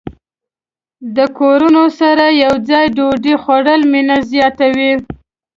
د کورنۍ سره یوځای ډوډۍ خوړل مینه زیاته وي.